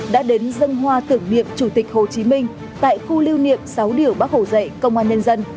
đã đến dâng hoa tưởng niệm chủ tịch hồ chí minh tại khu lưu niệm sáu điểu bắc hồ dậy công an nhân dân